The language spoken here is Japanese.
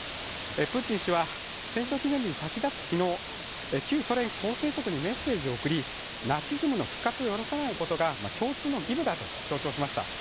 プーチン氏は戦勝記念日に先立つ昨日、旧ソ連構成国にメッセージを送りナチズムの復活を許さないことが共通の義務だと強調しました。